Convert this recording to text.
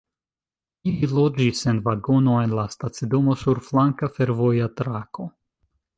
Ili loĝis en vagono en la stacidomo sur flanka fervoja trako.